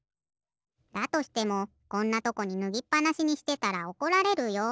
だとしてもこんなとこにぬぎっぱなしにしてたらおこられるよ。